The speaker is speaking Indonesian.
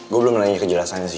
gue belum nanya kejelasannya sih